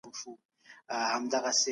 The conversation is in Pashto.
سوسیالیستي مفکوره شخصي ملکیت نه مني.